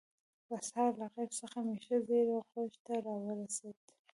په سهار له غیب څخه مې ښه زیری غوږ ته راورسېد.